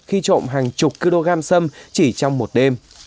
khi trộm hàng chục kg sâm chỉ trong một đêm